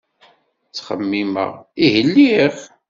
Ttxemmimeɣ, ihi lliɣ.